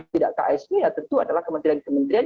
tidak ksi ya tentu adalah kementerian kementerian